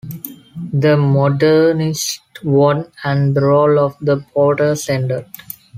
The modernists won and the role of the porters ended.